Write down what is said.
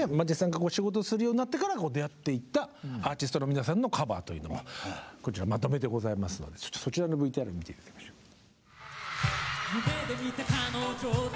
実際に仕事するようになってから出会っていったアーティストの皆さんのカバーというのがこちらまとめてございますのでそちらのＶＴＲ見て頂きましょう。